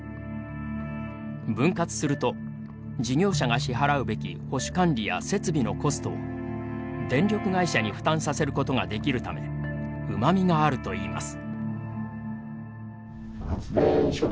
分割すると事業者が支払うべき保守管理や設備のコストを、電力会社に負担させることができるためうまみがあるといいます。